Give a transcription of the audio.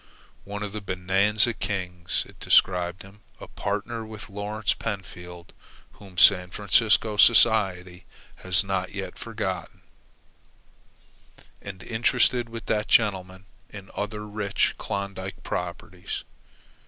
"One of the Bonanza kings," it described him, "a partner with Lawrence Pentfield (whom San Francisco society has not yet forgotten), and interested with that gentleman in other rich, Klondike properties."